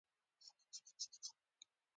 د بهلول دانا زيارت په غزنی کی دی